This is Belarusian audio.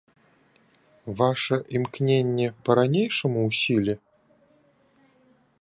Ваша імкненне па-ранейшаму ў сіле?